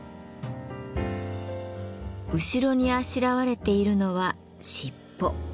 後ろにあしらわれているのは尻尾。